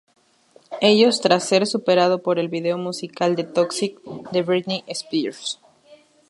Ello, tras ser superado por el video musical de "Toxic" de Britney Spears.